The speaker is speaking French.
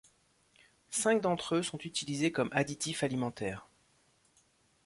Cinq d'entre eux sont utilisés comme additifs alimentaires.